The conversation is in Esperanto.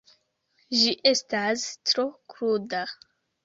Ĝi estas tro kruda.